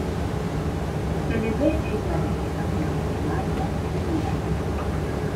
Se le ve en la vegetación primaria y secundaria.